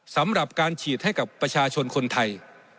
สำหรับการฉีดให้กับประชาชนคนไทย